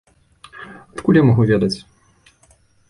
Адкуль я магу ведаць?